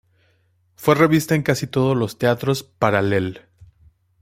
Fue revista en casi todos los teatros Paral·lel.